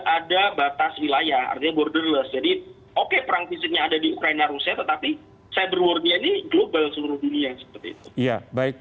jadi kita harus berharap untuk menangkap semua orang di dunia yang seperti itu